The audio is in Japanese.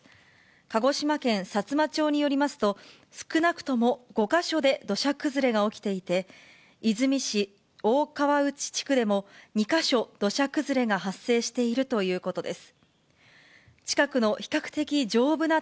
鹿児島県さつま町によりますと、少なくとも５か所で土砂崩れが起きていて、出水市おおかわうち地区でも２か所、土砂崩れが発生しているということです。